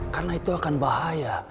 karena itu akan bahaya